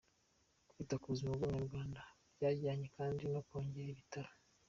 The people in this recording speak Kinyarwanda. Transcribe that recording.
Kwita ku buzima bw’Abanyarwanda byajyanye kandi no kongera ibitaro.